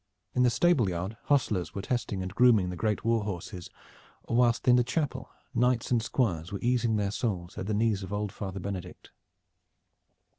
In the stable yard hostlers were testing and grooming the great war horses, whilst in the chapel knights and squires were easing their souls at the knees of old Father Benedict.